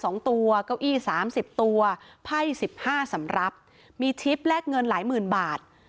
สองตัวเก้าอี้สามสิบตัวไพ่สิบห้าสำรับมีทริปแลกเงินหลายหมื่นบาท